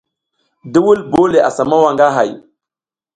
Duwul bole a mawa nga hay.